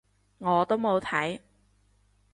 我都冇睇